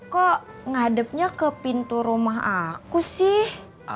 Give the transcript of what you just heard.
kok ngadepnya ke pintu rumah aku sih